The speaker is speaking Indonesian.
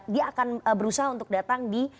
dia akan berusaha untuk datang di